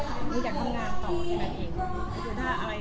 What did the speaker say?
อยากทำงานต่ออย่างนั้นเองถ้าเป็นไปได้ก็ยินดี